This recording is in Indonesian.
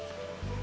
tapi tapi tapi